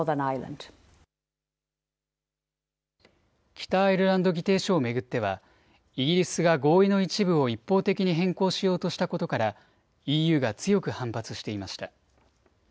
北アイルランド議定書を巡ってはイギリスが合意の一部を一方的に変更しようとしたことからＥＵが強く反発していました。